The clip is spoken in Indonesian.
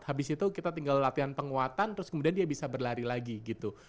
habis itu kita tinggal latihan penguatan terus kemudian dia bisa berlari lagi gitu